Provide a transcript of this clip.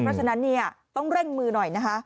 เพราะฉะนั้นเนี่ยต้องเร่งมือหน่อยนะคะ